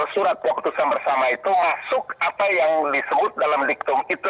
surat keputusan bersama itu masuk apa yang disebut dalam diktum itu